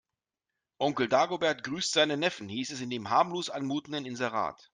Onkel Dagobert grüßt seinen Neffen, hieß es in dem harmlos anmutenden Inserat.